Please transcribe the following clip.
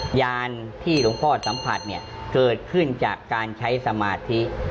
ยานที่หลวงพ่อสัมผัสเนี่ยเกิดขึ้นจากการใช้สมาธิ